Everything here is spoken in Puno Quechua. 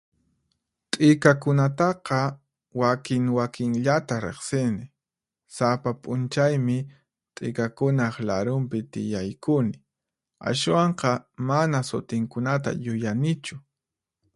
T'ikakunataqa wakin wakinllata riqsini. Sapa p'unchaymi t'ikakunaq larunpi tiyaykuni, ashwanqa mana sutinkunata yuyanichu.